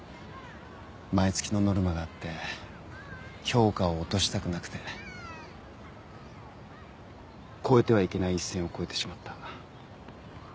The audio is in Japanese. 毎月のノルマがあって評価を落としたくなくて越えてはいけない一線を越えてしまった。